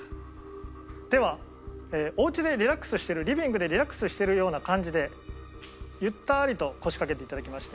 ではおうちでリラックスしてるリビングでリラックスしてるような感じでゆったりと腰かけていただきまして。